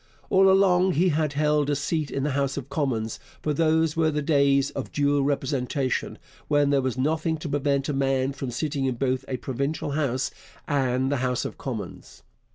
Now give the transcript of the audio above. All along he had held a seat in the House of Commons, for those were days of dual representation, when there was nothing to prevent a man from sitting in both a provincial House and the House of Commons.